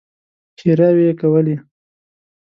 ښېراوې يې کولې.